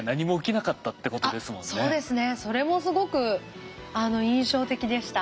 それもすごく印象的でした。